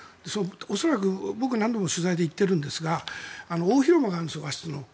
恐らく、僕、何度も取材で行っているんですが大広間があるんですよ、和室の。